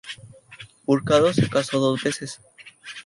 Burcardo se casó dos veces.